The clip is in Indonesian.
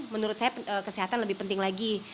menurut saya kesehatan lebih penting lagi